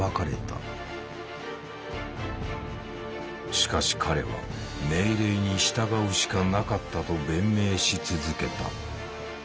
しかし彼は「命令に従うしかなかった」と弁明し続けた。